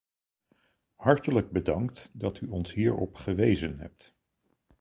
Hartelijk bedankt dat u ons hierop gewezen hebt.